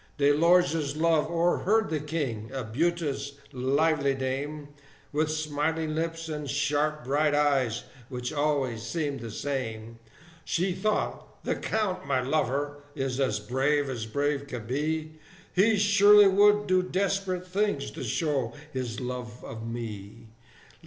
De Lorge's love o'erheard the King, a beauteous, lively dame, With smiling lips, and sharp bright eyes, which always seemed the same: She thought, "The Count, my lover, is as brave as brave can be; He surely would do desperate things to show his love of me!